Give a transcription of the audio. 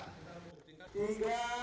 tiga dua satu